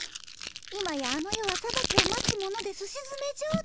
今やあの世はさばきを待つ者ですしづめじょうたい。